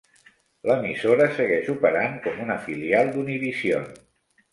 L'emissora segueix operant com una filial d'Univision.